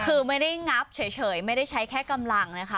คือไม่ได้งับเฉยไม่ได้ใช้แค่กำลังนะคะ